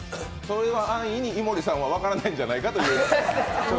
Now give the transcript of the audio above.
安易に井森さんは分からないんじゃないかっていう？